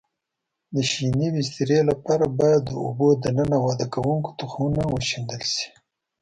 د شینې بسترې لپاره باید د اوبو دننه وده کوونکو تخمونه وشیندل شي.